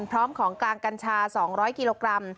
พร้อมของกลางกัญชา๒๐๐กิโลกรัม